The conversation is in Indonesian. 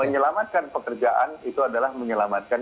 oke menyelamatkan pekerjaan itu adalah menjaga keamanan